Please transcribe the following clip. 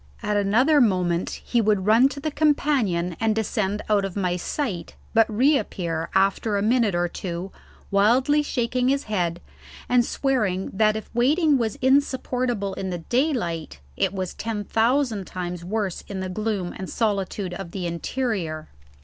At another moment he would run to the companion and descend out of my sight, but reappear after a minute or two wildly shaking his head and swearing that if waiting was insupportable in the daylight, it was ten thousand times worse in the gloom and solitude of the interior.